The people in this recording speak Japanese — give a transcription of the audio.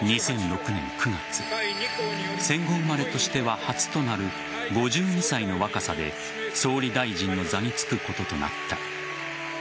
戦後生まれとしては初となる５２歳の若さで総理大臣の座に就くこととなった。